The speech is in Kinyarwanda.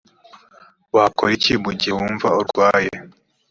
wakora iki mu gihe wumva urwaye‽